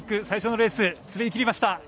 最初のレース滑りきりました。